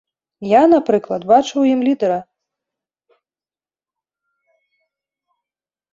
Я, напрыклад, бачу ў ім лідара.